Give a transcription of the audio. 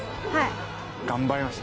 頑張りました。